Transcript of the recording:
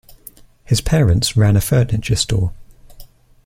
His parents ran a furniture store.